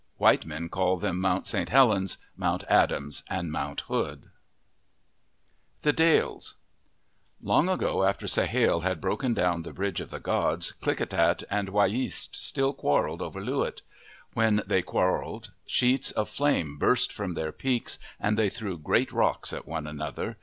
White men call them Mount St. Helens, Mount Adams, and Mount Hood. 49 MYTHS AND LEGENDS THE DALLES ENG ago, after Sahale had broken down the bridge of the gods, Klickitat and Wiyeast still quarrelled over Loo wit. When they quarrelled, sheets of flame burst from their peaks, and they threw great rocks at one another.